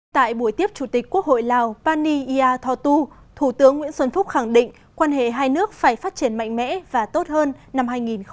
tại buổi tiếp chủ tịch quốc hội lào pani ia tho tu thủ tướng nguyễn xuân phúc khẳng định quan hệ hai nước phải phát triển mạnh mẽ và tốt hơn năm hai nghìn một mươi chín